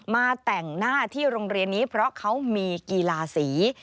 แต่งหน้าที่โรงเรียนนี้เพราะเขามีกีฬาสี